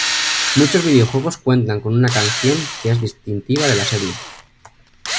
Muchos videojuegos cuentan con una canción que es distintiva de la serie.